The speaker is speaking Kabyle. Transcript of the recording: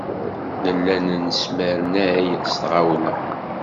Nella nesmernay s tɣawla.